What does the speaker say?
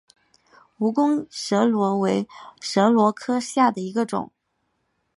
蜈蚣蛇螺为蛇螺科下的一个种。